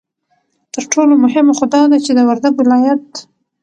ترټولو مهمه خو دا ده چې د وردگ ولايت